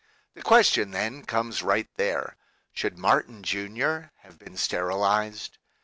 The question, then, comes right there. Should Martin Jr. have been sterilized